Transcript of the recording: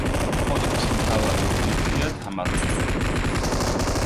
ხოტბის მთავარი ობიექტია თამარ მეფე.